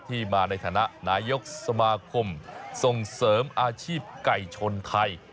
มาในฐานะนายกสมาคมส่งเสริมอาชีพไก่ชนไทย